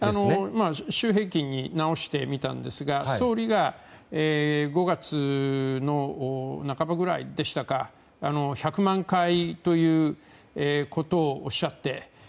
週平均に直してみたんですが総理が５月の半ばぐらいに１００万回ということをおっしゃって。